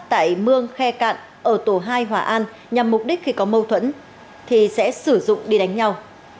tại mương khe cạn ở tổ hai hòa an nhằm mục đích khi có mâu thuẫn thì sẽ sử dụng đi đánh nhau